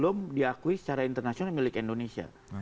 papua itu belum diakui secara internasional milik indonesia